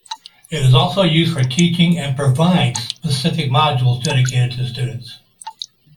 It is also used for teaching, and provides specific modules dedicated to students.